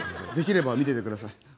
できれば見ててください。